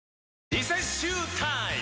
リセッシュータイム！